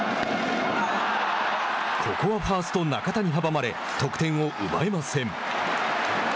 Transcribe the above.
ここはファースト中田に阻まれ得点を奪えません。